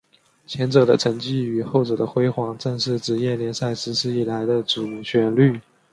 前者的沉寂与后者的辉煌正是职业联赛实施以来的主旋律。